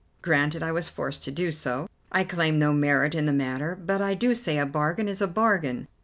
Granted I was forced to do so. I claim no merit in the matter, but I do say a bargain is a bargain.